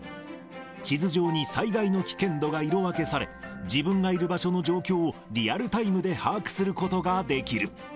地図上に災害の危険度が色分けされ、自分がいる場所の状況を、リアルタイムで把握することができる。